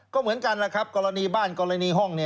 ก็เหมือนกันกรณีบ้านกรณีห้อง